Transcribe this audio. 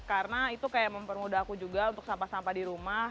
karena itu mempermudah aku juga untuk sampah sampah di rumah